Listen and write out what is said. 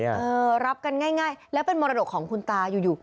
เออรับกันง่ายแล้วเป็นมรดกของคุณตาอยู่อยู่